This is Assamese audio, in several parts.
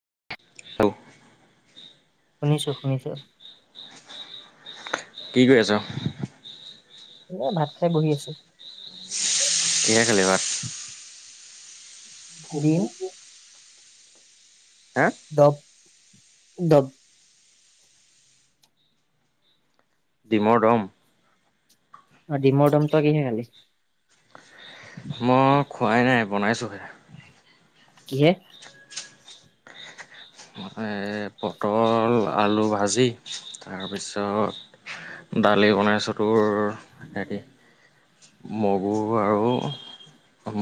[unintelligible] শুনিছো শুনিছো। কি কৰি আছ? এ ভাত খাই বহি আছো [unintelligible] [unintelligible] কিহে খালী ভাত? হেৰি। হা দব দব। ডিমৰ দম। অ ডিমৰ দমটো তই কিহে খালি? মই, খোৱাই নাই। বনাইছোহে। কিহে। [unintelligible] পটল আলু ভাজি, তাৰপিছত, দালি বনাইছো তোৰ হেৰি মগু আৰু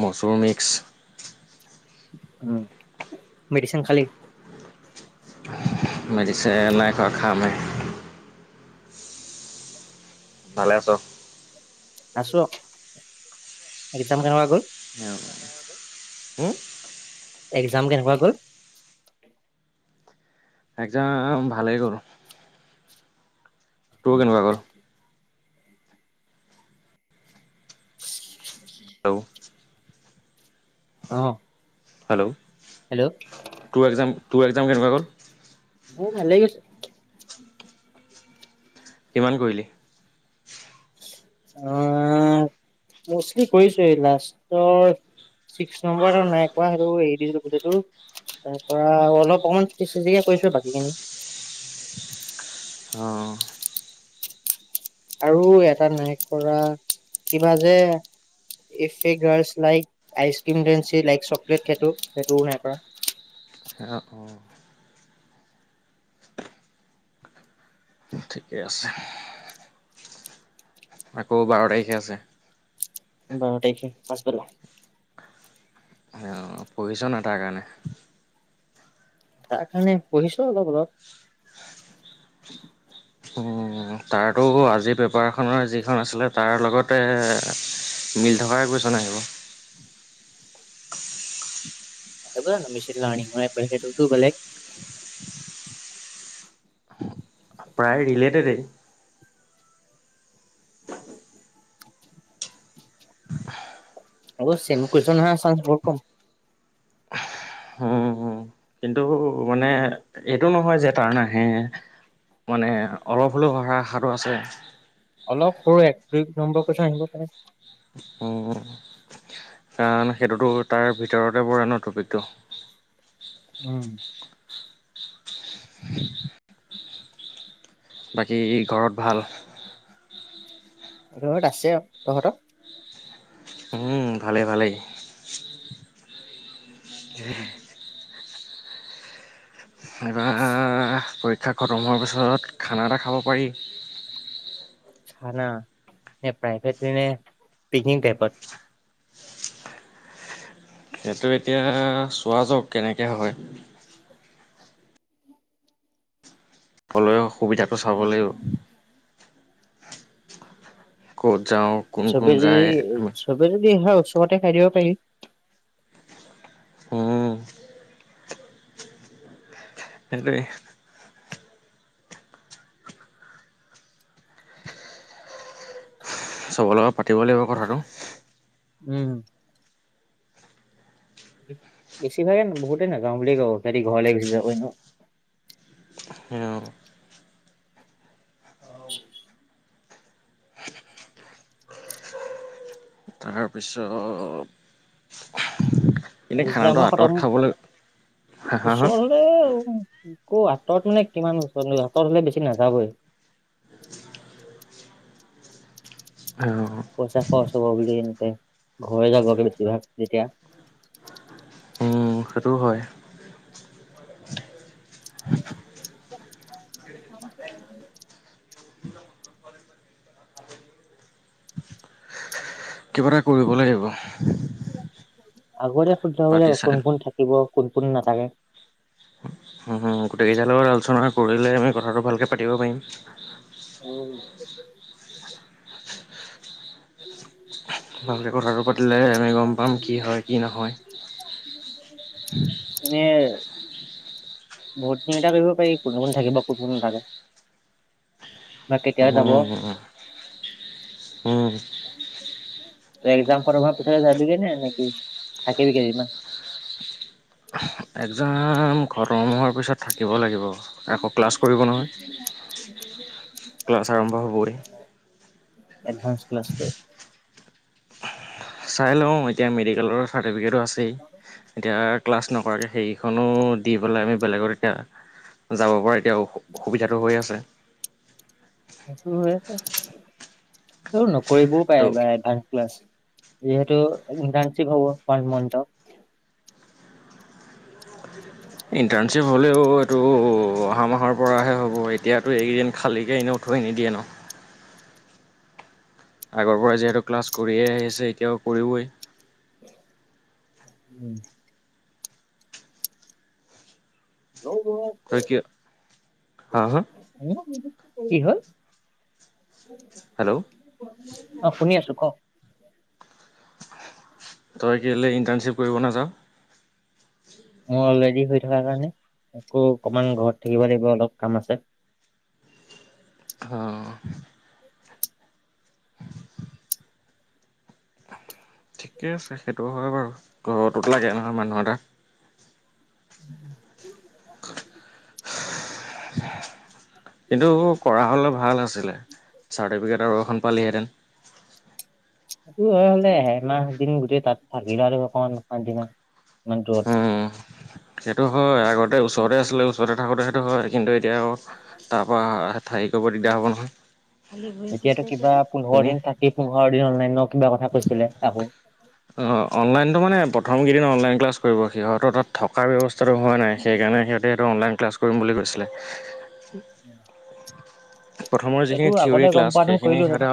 মচুৰ মিক্স। উ মেডিচিন খালি? মেদিছেন নাই খোৱা। খামহে। ভালে আছ? আছোঁ। এক্সাম কেনেুৱোৱা গল? [unintelligible] হম্? এক্সাম কেনেকুৱা গল? এক্সাম ভালেই গল। তোৰ কেনকোৱা গল? হেল্ল'। অহ। হেল্ল'। হেল্ল'। তোৰ একজাম তোৰ এক্সাম কেনেকুৱা গ'ল। ম ভাল লেই গৈছে। কিমান কৰিলি। আহ মষ্টলি কৰিছো। লাষ্টৰ ছিক্স নম্বৰ আৰু নাই সেইটো হেৰি দিছিলো। গটো তাৰ পৰা অলপ অকমানিক কৰিছো বাকীখিনি। অহ। আৰু এটা নাই কৰা কিবা যে ইফ এই গাৰ্লছ লাইক আইচ ক্ৰীম ডেঞ্চি লাইক চকলেট সেইটো সেইটোও নাই কৰা। আহ অঁ'হ। ঠিকেই আছে। আকৌ বাৰ তাৰিখে আছে। বাৰ তাৰখে পাছ বেলা। অ প্ৰয়োজন ন তাৰ কাৰণে। তাৰ কাৰণে পঢ়িছো অলপ অলপ। তাৰাতো আজিৰ পেপাৰখনৰ যিখন আছিলে। তাৰ লগতে মিল থক কৈছ ন আহিব। ন মিছিং লাৰনিংটো বেলেগ। প্ৰায় ৰিলেটেডেই। অ চম কৰিছ ন চ ব কম। উম, কিন্তু মানে এইটো নহয় যে তাৰ নাহে মানে অলপ হ'লেও হা আশাটো আছে। অলপ সৰু এক দুই নম্বৰ কথা আহিব পাৰে। কাৰণ সেইটোতো তাৰ ভিতৰতে বৰ আনৰ টপিকটো। উম। [unintelligible] বাকী ঘৰত ভাল। ঘৰত আছে আৰু তহঁতৰ। উম ভালে ভালেই। উম। এবাৰ পৰিক্ষীয়া। শিক্ষা খতম হোৱাৰ পিছত খানা এটা খাব পাৰি। খানা ন প্ৰাইভেট নে পিকনিক টাইপত। সেইটো এতিয়া চোৱা যাক কেনেকৈ হয়। ফলয়। কবিতাটো চাবলাগিব। ক'ত যাওঁ কোন কোন চবে যি যায় আমি চবেৰ। হয় ওচৰতে খাই দিব পাৰিম। উম। সেইটোৱে। চব লগত পাতিব লাগিব কথাটো। উম। বেছিভাগে নো বহুতে নাযাওঁ বুলি কো ঘৰলৈ বেছি যাব ন। তাৰপিছত। এনেই আৰু যে খানাটো আমাৰ আঁতৰত খাবলৈ কথাবোৰ হা হা হা ওচৰৰেও আকৌ আঁতৰত মানে কিমান ওচৰত আঁতৰত হলে বেছি নাযাবই অহ পইচা খৰচ হ'ব বুলি এনেকে ঘৰে যাবকে বেছিভাগ যেতিয়া সেইটোৱ হয় [unintelligible] [unintelligible] নাই কৰিব লাগিব আগতে সুধাবলে পাতি কোন চাই কোন থাকিব? কোন কোন নাথাকে গোটেইকেইটাৰ লগত আলোচনা কৰিলে আমি কথাটো ভালকৈ পাতিব পাৰিম। ভালকে কথাটো পাতিলে তেতিয়াহে গম পাম কি হয় কি নহয়? উম ভটিং এটা কৰিব পাৰি, কোন কোন থাকিব কোন কোন নাথাকে বা কেতিয়া যাব। তই একজাম সটম‌ হোৱাৰ পিছতে যাই দিবি নে থাকিবি, থাকিবি কেইদিনমান? একজাম খটম হোৱাৰ পিছত থাকিব লাগিব। আকো ক্লাছ কৰিব নহয়, ক্লাছ আৰম্ভ হ'বই। এডভানস ক্লাছটো? চাই লওঁ এতিয়া মেডিকেলৰ চাৰ্টিফিকেটো আছে আছেই। এতিয়া ক্লাছ নকৰাকৈ সেইখনো দি পেলাই আমি বেলেগত এতিয়া যাব পৰা এতিয়া অসুবিধাটো হৈ আছে। ক্লাছটো হয় আছে আৰু নক কৰিবও ত' পাৰে এইবাৰ এডভান্স ক্লাছ, যিহেতু ইণ্টাৰ্ণশ্বিপ হব ওৱান মানথৰ ইণ্টাৰ্ণশ্বিপ হ'লেও এইটো অহা মাহৰ পৰাহে হ'ব এতিয়াতো এইকেইদিন খালীকে এনেই থৈ নিদিয়ে নহ। আগৰ পৰা যিহেতু ক্লাছ কৰিয়েই আহিছে এতিয়াও কৰিবই। উম তই কিয়, হাহ কি হ'ল? হেল্ল' অহ শুনি আছো কঅ উম তই কেলে ইণ্টাৰ্ণশ্বিপ কৰিব নাযাওঁ? মোৰ অলৰেডি হৈ থকা কাৰণে আকৌ অকনমান ঘৰত থাকিব লাগিব, অলপ কাম আছে। অঁ ঠিকে আছে সেইটো হয় বাৰু ঘৰটোত লাগে নহয় মানুহ এটা উম কিন্তু কৰা হ'লে ভাল আছিলে চাৰ্টিফিকেট আৰু এখন পালিহেঁতেন। স হলে এমাহ দিন গোটেই তাত থাকিলো আৰু অকমান পদিনা ইমান দূৰত উম, সেইটো হয় আগতে ওচৰতে আছিলে ওচৰতে থাকোতে স হয় কিন্তু এতিয়া তাৰপা থাৰি কৰিব দিগদাৰ হব নহয়। খালি ভৰি খোজ এতিয়াতো কাঢ়িছ কিবা যে পোন্ধৰ এনেই দিন থাকি পোন্ধৰ দিন অনলাইনৰ কিবা কথা কৈছিলে আকৌ অ অনলাইনটো মানে প্ৰথমকেইদিন অনলাইন কলাছ কৰিব সি হয়ত তাত থকাৰ ব্যৱস্থা হোৱা নাই সেইকাৰণে সিহঁতে অনলাইন ক্লাছ কৰিম বুলি কৈছিলে। উম [unintelligible] প্ৰথমৰ যিখিনি থিয়ৰী ক্লাছ সেইখিনি কৰিলোহেঁতেন সিহঁতে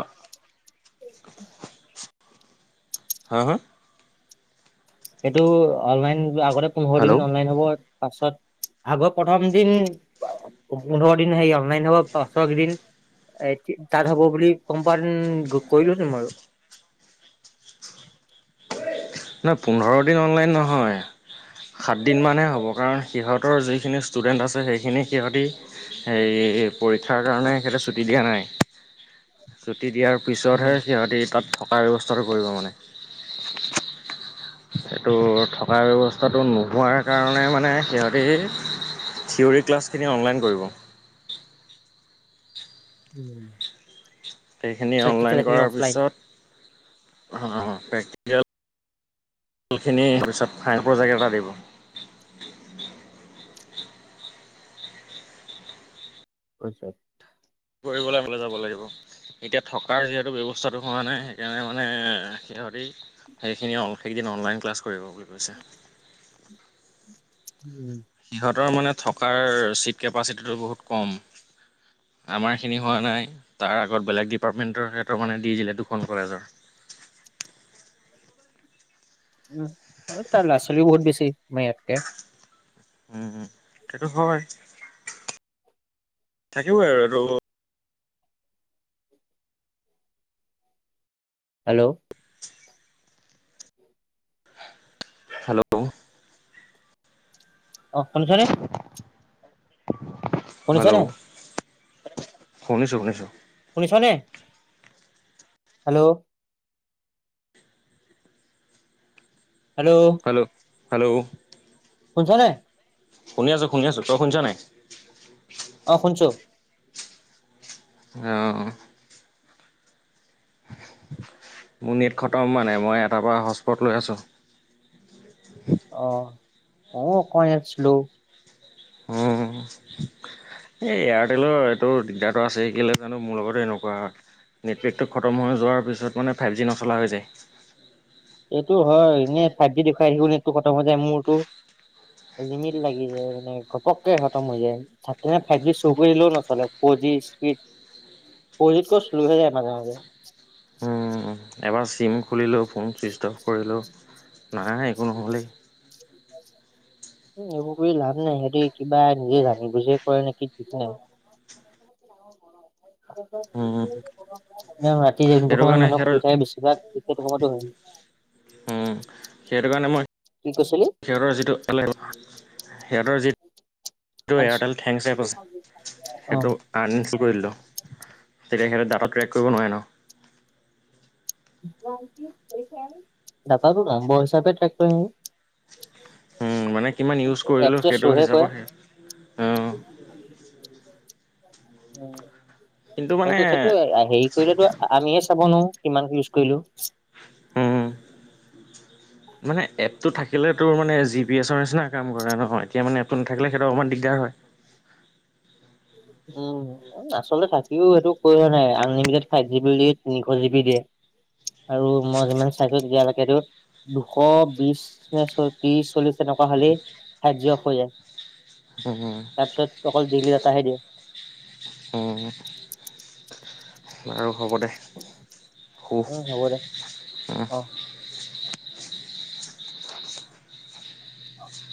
হা হা এইটো অনলাইন আগতে পোন্ধৰ দিন হেল্ল' অনলাইন হ'ব পাছত আগৰ প্ৰথম দিন পোন্ধৰ দিন হে অনলাইন হব পচক দিন এ তাত হব বুলি কম্প কৰিলো ন বই নহয় পোন্ধৰ দিন অনলাইন নহয় সাতদিনমানহে হ'ব কাৰণ সিহঁতৰ যিখিনি ষ্টুডেণ্ট আছে সেইখিনি সিহঁতি সে পৰীক্ষাৰ কাৰণে সিহঁতে ছুটি দিয়া নাই তি দিয়াৰ পিছতহে সিহঁতি তাত থকাৰ ব্যৱস্থাটো কৰিব মানে এইটো থকা ব্যৱস্থাটো নোহোৱাৰ কাৰণে মানে সিহঁতে থিয়িয়ৰী ক্লাছখিনি অনলাইন কৰিব। উম সেইখিনি প্ৰেক্টিকেল অনলাইন খিনি কৰাৰ অফলাইন পিছত প্ৰেক্টিকেলখিনি পিছত ফায়স প্ৰজেক্ট এটা দিব। আচছা [unintelligible] কৰিবলৈ যাব লাগিব এতিয়া থকাৰ যিহেতু ব্যৱস্থাটো হোৱা নাই সেইকাৰণে মানে সিহঁতি সেইখিনি সেইদিন অনলাইন ক্লাছ কৰিব বুলি কৈছে। উম সিহঁতৰ মানে থকাৰ ছিট কেপাচিটিটো বহুত কম আমাৰখিনি হোৱা নাই তাৰ আগত বেলেগ ডিপাৰ্টমেণ্টৰ ক্ষেত মানে দি দিলে দুখন কলেজৰ উম তাৰ ল'ৰা ছোৱালীও বহুত বেছি মাৰ ইয়াতকে উম সেইটো হয় থাকিবই আৰু হেল্ল' হেল্ল' অ শুনছনে শুনিছেনে হেল্ল' শুনিছো শুনিছো শুনিছনে হেল্ল' হেল্ল' হেল্ল' কছ [unintelligible] নাই শুনি আছো শুনি আছো তই শুনিছ নাই অ শুনছো আহ মোৰ নীট খতম মানে মই এটাৰ পৰা হস্পট লৈ আছোঁ অ অ অকছিলো উম এই এয়াৰটেলৰ এইটো দিগদাৰটো আছে কেলে জানো মোৰ লগত এনেকুৱা নেটপেকটো খতম হৈ যোৱাৰ পিছত মানে ফাইভ জি নচলা হৈ যায় এইটো হয় এনে ফাইভ জি দেখুৱাই আহো নেটো খতম হৈ যায় মোৰতটো লিমিট লাগি যায় মানে ঘপককে খতম হৈ যায় থ ফাইভ জি শ কৰিলেও নচ ফৰ জি স্পীড ফৰ জকৈ্ল হৈ যায় মাজে মাজে উম, এবাৰ চিম খুলিলোঁ ফোন চুইচ অফ কৰিলোঁ নাই একো নহ'লেই উ এইবোৰ কৰি লাভ নাই সিহঁতে কিবা নিজে জানি বুজিয় কৰে নেকি ঠিক ন উম, [unintelligible] আ ৰাতি যোনটো সেইটো সমান কাৰণে মানুহ সিহঁতৰ শুই থাকে বেছিভাগ তেতিয়া সময়তো উ উম, সেইটো কাৰণে মই কি কৈছিলি সিহঁতৰ যিটো সিহঁতৰ যি হেটো এয়াৰটেল থেংকছ এপ আছে, অ সেইটো আনস্তল কৰি দিলো। তেতিয়া সিহঁতে ডাটা ট্ৰেক কৰিব নোৱাৰে নহ ডাটাটো নম্বৰ হিচাপে ট্ৰেক্ট কৰিব উম, মানে কিমান ইউজ কৰিলোঁ, এপটোৱে সেইটো শ্ব'হে কৰে হিচাপত উম উম কিন্তু মানে এইটো সেইটো আৰু, হেৰি কৰিলেতো আমিহে চাবনো, কিমান ইউজ কৰিলো। উম, মানে এ তোৰ থাকিলে তোৰ মানে জি পি এছৰ নিচিনা কাম কৰে ন এতিয়া মানে এপটো নাথাকিলে সিহঁতৰ অকমান দিগদাৰ হয়। উম, আচলতে থাকিও সেইটো কৈও নাই আনলিমিটেড ফাইভ জি বুলি তিনিশ জি বি দিয়ে আৰু মই যিমান চাইছো দিয়া লেকে টো দুশ বিশ নে ত্ৰিশ চল্লিশ এনেকুৱা হ'লে ফাইভ জি অফ হৈ যায় উম, তাৰ পিছত অকল ডেইলি ডাটাহে দিয়ে। আৰু হ'ব দে। উম, শু হ'ব দে অ'।